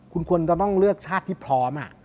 คุณควรจะต้องเลือกชาติที่พร้อม